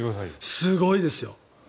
すごいですよ。